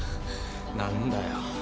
何だよ。